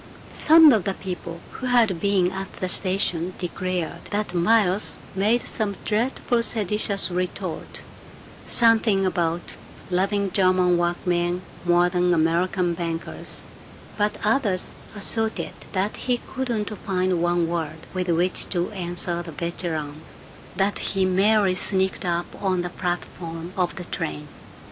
Some of the people who had been at the station declared that Miles made some dreadful seditious retort: something about loving German workmen more than American bankers; but others asserted that he couldn't find one word with which to answer the veteran; that he merely sneaked up on the platform of the train.